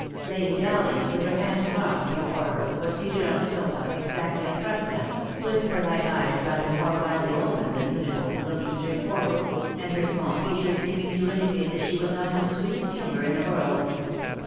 Lady Dowling, with her hands crossed before her, was seated on a sofa exactly in front of them, with her light eyes rather more widely open than usual, looking straight forward, and her small features seeming to indicate that she was not in the sweetest humour in the world.